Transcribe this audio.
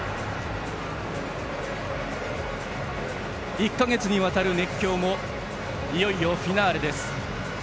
１か月にわたる熱狂もいよいよフィナーレです。